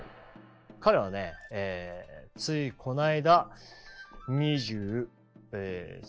彼はねついこの間２３歳。